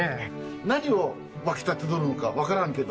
何が沸き立てとるのかわからんけど。